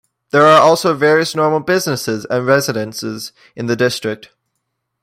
There are also various normal businesses and residences in the district.